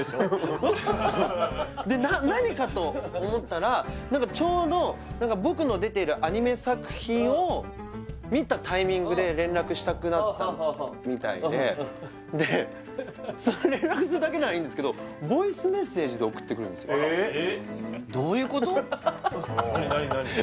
で何かと思ったら何かちょうど僕の出ているアニメ作品を見たタイミングで連絡したくなったみたいででそれ連絡するだけならいいんですけどボイスメッセージで送ってくるんですよどういうこと？